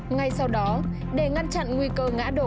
ngay sau đó để ngăn chặn nguy cơ ngã đổ